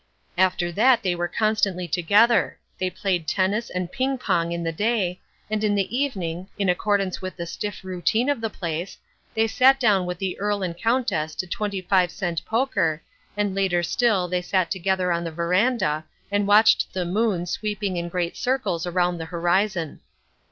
After that they were constantly together. They played tennis and ping pong in the day, and in the evening, in accordance with the stiff routine of the place, they sat down with the Earl and Countess to twenty five cent poker, and later still they sat together on the verandah and watched the moon sweeping in great circles around the horizon.